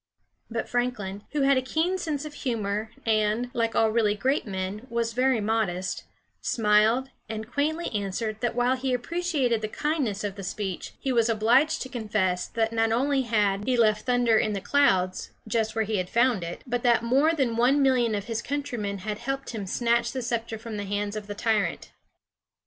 But Franklin who had a keen sense of humor, and, like all really great men, was very modest smiled, and quaintly answered that while he appreciated the kindness of the speech, he was obliged to confess that not only had he left thunder in the clouds, just where he had found it, but that more than one million of his countrymen had helped him snatch the scepter from the hands of the tyrant!